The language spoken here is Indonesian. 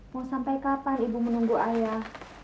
mau sampai kapan ibu menunggu ayah